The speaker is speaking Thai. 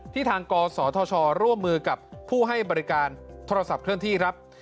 ทางกศธชร่วมมือกับผู้ให้บริการโทรศัพท์เคลื่อนที่ครับ